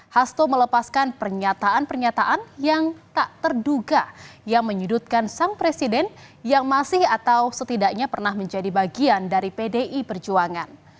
hasto melepaskan pernyataan pernyataan yang tak terduga yang menyudutkan sang presiden yang masih atau setidaknya pernah menjadi bagian dari pdi perjuangan